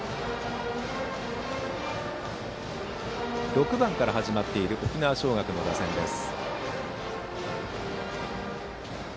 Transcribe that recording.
６番から始まっている沖縄尚学の打線です。